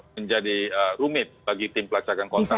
menjadi rumit bagi tim pelacakan kontak